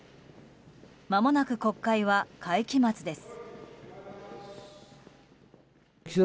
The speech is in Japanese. まもなく国会は会期末です。